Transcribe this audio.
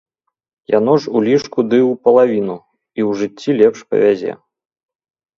Яно ж у лішку ды ў палавіну і ў жыцці лепш павязе.